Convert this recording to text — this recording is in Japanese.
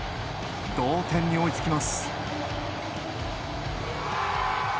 同点に追いつきます。